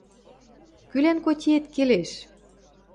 – Кӱлӓн котиэт келеш?